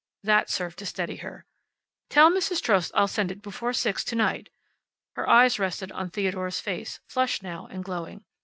That served to steady her. "Tell Mrs. Trost I'll send it before six to night." Her eyes rested on Theodore's face, flushed now, and glowing.